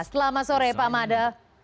selamat sore pak imade